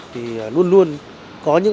thì luôn luôn có những khó khăn